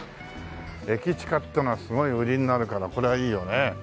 駅近っていうのはすごい売りになるからこれはいいよね。